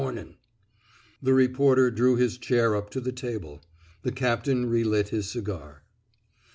*' The reporter drew his chair up to the table. The captain relit his cigar.